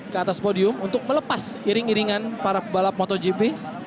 ke atas podium untuk melepas jaring jaringan para pebalap motogp